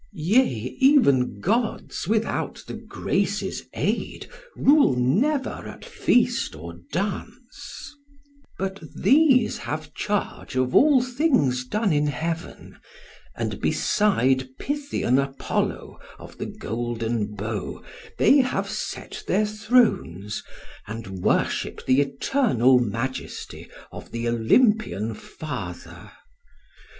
Yea, even gods without the Graces' aid rule never at feast or dance; but these have charge of all things done in heaven, and beside Pythian Apollo of the golden bow they have set their thrones, and worship the eternal majesty of the Olympian Father.